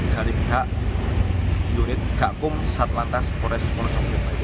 dari pihak unit gakkum satu lantas polres polosok